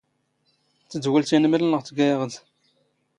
ⵜⴷⵡⵍ ⵜⵉⵏⵎⵍ ⵏⵏⵖ ⵜⴳⴰ ⵉⵖⴷ.